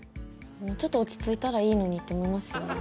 もうちょっと落ち着いたらいいのにって思いますよね。